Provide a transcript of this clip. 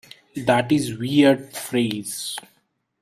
That is a weird phrase.